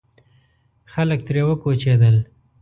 خلک ترې وکوچېدل.